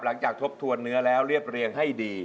ทบทวนเนื้อแล้วเรียบเรียงให้ดี